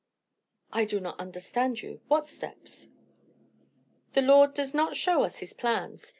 "I do not understand you. What steps?" "The Lord does not show us his plans.